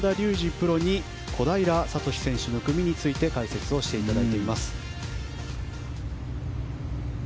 プロに小平智選手の組について解説をしていただいています。